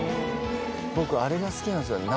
僕あれが好きなんすよね